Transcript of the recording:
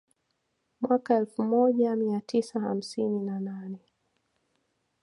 Mwaka elfu moja mia tisa hamsini na nane